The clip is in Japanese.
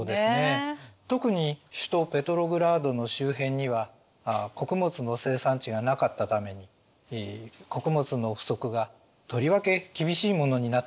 特に首都ペトログラードの周辺には穀物の生産地がなかったために穀物の不足がとりわけ厳しいものになってしまいました。